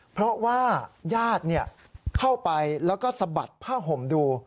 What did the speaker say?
เพราะว่าญาติเข้าไปแล้วก็สะบัดผ้าห่มดู